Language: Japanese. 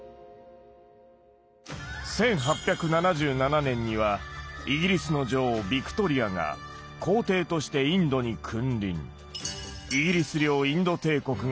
１８７７年にはイギリスの女王ヴィクトリアが皇帝としてインドに君臨。